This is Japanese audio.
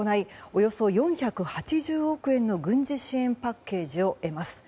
およそ４８０億円の軍事支援パッケージを得ます。